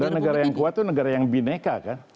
dan negara yang kuat itu negara yang bineka kan